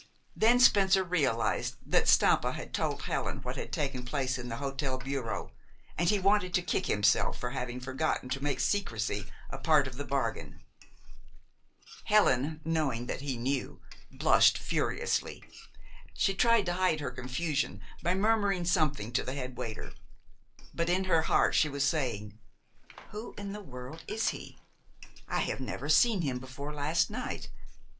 Then Spencer realized that Stampa had told Helen what had taken place in the hotel bureau, and he wanted to kick himself for having forgotten to make secrecy a part of the bargain. Helen, knowing that he knew, blushed furiously. She tried to hide her confusion by murmuring something to the head waiter. But in her heart she was saying, "Who in the world is he? I have never seen him before last night.